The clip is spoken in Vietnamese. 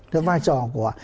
thế vai trò của